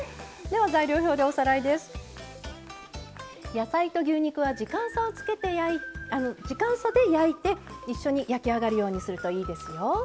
野菜と牛肉は時間差で焼いて一緒に焼き上がるようにするといいですよ。